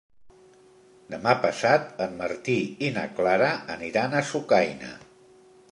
Demà passat en Martí i na Clara aniran a Sucaina.